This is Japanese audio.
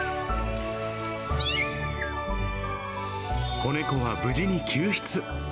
子猫は無事に救出。